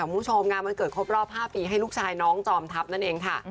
คุณผู้ชมงานวันเกิดครบรอบ๕ปีให้ลูกชายน้องจอมทัพนั่นเองค่ะ